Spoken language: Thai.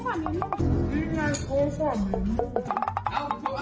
ที่ไงโครตกว่ามีมูล